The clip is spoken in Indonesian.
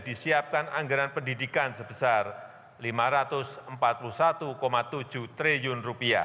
disiapkan anggaran pendidikan sebesar rp lima ratus empat puluh satu tujuh triliun